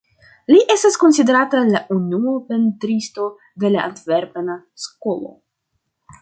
Li estas konsiderata la unua pentristo de la Antverpena Skolo.